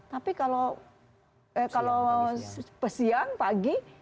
tapi kalau siang pagi